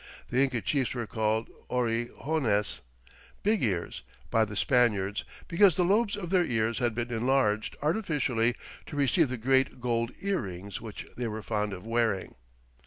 The Inca chiefs were called Orejones, "big ears," by the Spaniards because the lobes of their ears had been enlarged artificially to receive the great gold earrings which they were fond of wearing.